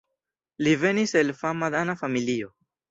Li venis el fama dana familio.